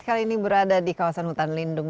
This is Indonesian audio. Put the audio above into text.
kali ini berada di kawasan hutan lindung